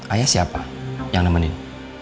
ayah siapa yang nemenin